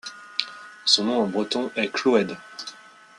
Son nom en breton est Kloued.